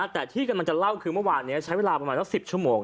แต่ที่กำลังจะเล่าคือเมื่อวานนี้ใช้เวลาประมาณสัก๑๐ชั่วโมง